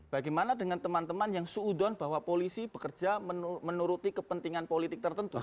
bagaimana dengan teman teman yang seudon bahwa polisi bekerja menuruti kepentingan politik tertentu